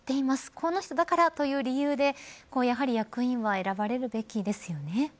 この人だからという理由でやはり役員は選ばれるべきですよね。